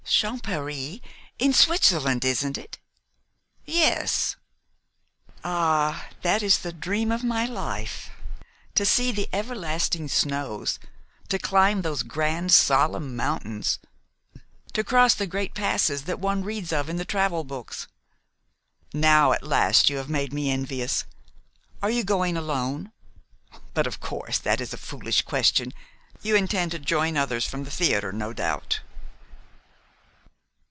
"Champèry, in Switzerland, isn't it?" "Yes." "Ah, that is the dream of my life, to see the everlasting snows; to climb those grand, solemn mountains; to cross the great passes that one reads of in the travel books. Now at last you have made me envious. Are you going alone? But of course that is a foolish question. You intend to join others from the theater, no doubt?"